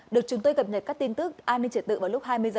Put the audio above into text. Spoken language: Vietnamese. được chúng tôi cập nhật các tin tức an ninh trật tự vào lúc hai mươi h